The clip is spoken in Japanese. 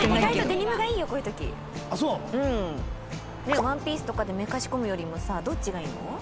ワンピースとかでめかしこむよりもさどっちがいいの？